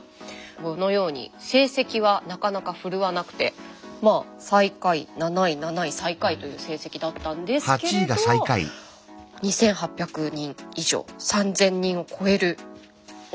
このように成績はなかなか振るわなくて最下位７位７位最下位という成績だったんですけれど２，８００人以上３，０００人を超えるお客さんがちゃんと入ってる。